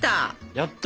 やった！